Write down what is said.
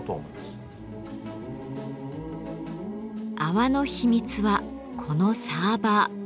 泡の秘密はこのサーバー。